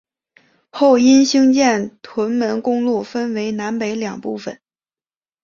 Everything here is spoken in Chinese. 后因兴建屯门公路分为南北两部份。